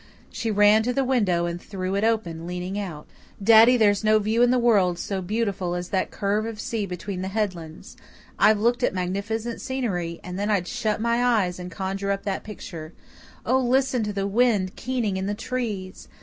She ran to the window and threw it open, leaning out. "Daddy, there's no view in the world so beautiful as that curve of sea between the headlands. I've looked at magnificent scenery and then I'd shut my eyes and conjure up that picture. Oh, listen to the wind keening in the trees!